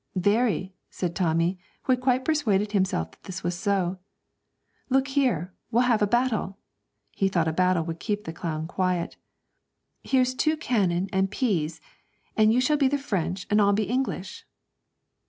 'Very,' said Tommy, who had quite persuaded himself that this was so. 'Look here, we'll have a battle.' He thought a battle would keep the clown quiet. 'Here's two cannon and peas, and you shall be the French and I'll be English.'